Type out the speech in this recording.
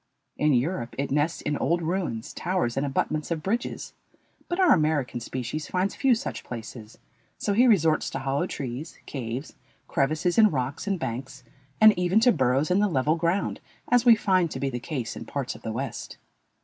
In Europe it nests in old ruins, towers, and abutments of bridges, but our American species finds few such places, so he resorts to hollow trees, caves, crevices in rocks, and banks, and even to burrows in the level ground, as we find to be the case in parts of the West.